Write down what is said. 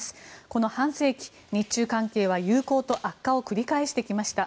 この半世紀、日中関係は友好と悪化を繰り返してきました。